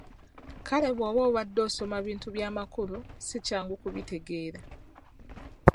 Kale bw’oba obadde osoma bintu byamakulu si kyangu kubitegeera .